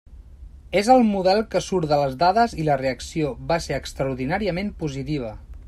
És el model que surt de les dades i la reacció va ser extraordinàriament positiva.